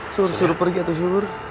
sur sur pergi tuh sur